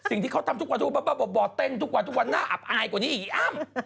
สิ่งที่เขาทำทุกวันบอกเต้นทุกวันทุกวันหน้าอับอายกว่านี้อ้ำ